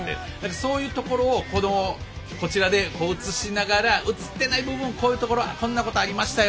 そういうところをこちらで映しながら映っていない部分でこんなことありましたよ